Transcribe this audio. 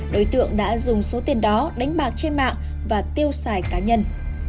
đối tượng đã dùng số tiền đó đánh bạc trên mạng và tiêu xài cá nhân